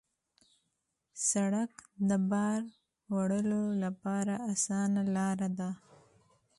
سړک د بار وړلو لپاره اسانه لاره ده.